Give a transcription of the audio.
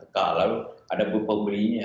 lalu ada pembelinya